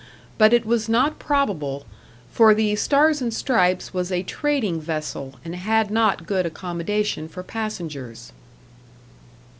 But it was not probable; for the 'Stars and Stripes' was a trading vessel, and had not good accommodation for passengers."